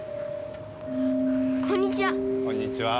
こんにちは。